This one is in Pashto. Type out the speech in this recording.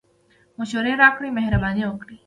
مشوري راکړئ مهربانی وکړئ